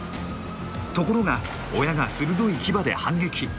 ところが親が鋭い牙で反撃。